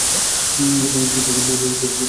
কিন্তু, যদি এটা নিরাপদ না হয়?